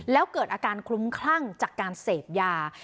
แล้วเกิดอาการคลุ้มคลั่งจากการเสพยา